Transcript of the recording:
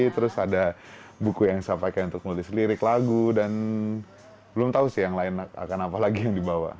terus ada buku yang saya pakai untuk nulis lirik lagu dan belum tahu sih yang lain akan apa lagi yang dibawa